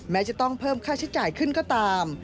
แม้จะต้องเพิ่มค่าใช้จ่ายขึ้นก็ตาม